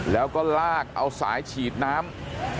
แล้วก็ลากเอาสายฉีดน้ำ